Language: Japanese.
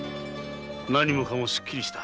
何もかもすっきりした。